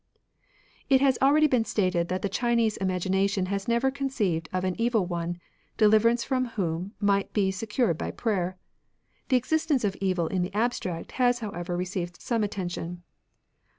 It has already been stated that the Good and CJunese imagination has never con ceived of an Evil One, deUverance from whom might be secured by prayer. The existence of evil in the abstract has however re ceived some attention.